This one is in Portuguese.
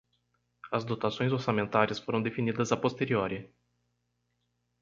As dotações orçamentárias foram definidas a posteriori